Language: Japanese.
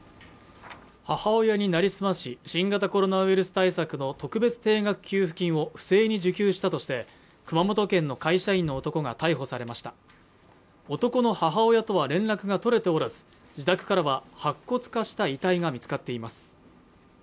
母親に成り済まし新型コロナウイルス対策の特別定額給付金を不正に受給したとして熊本県の会社員の男が逮捕されました男の母親とは連絡が取れておらず自宅からは白骨化した遺体が見つかっています